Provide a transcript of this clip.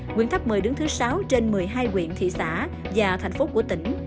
nguyễn tháp mời đứng thứ sáu trên một mươi hai quyện thị xã và thành phố của tỉnh